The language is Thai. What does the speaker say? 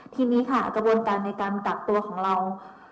ทีนี้ค่ะกระบวนการในการกักตัวของเรา